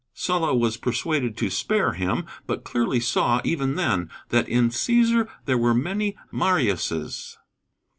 Sulla was persuaded to spare him, but clearly saw, even then, that "in Cæsar there were many Mariuses."